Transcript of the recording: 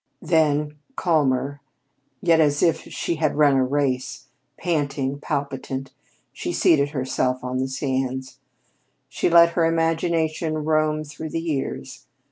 Then, calmer, yet as if she had run a race, panting, palpitant, she seated herself on the sands. She let her imagination roam through the years.